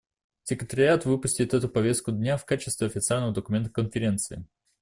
Секретариат выпустит эту повестку дня в качестве официального документа Конференции.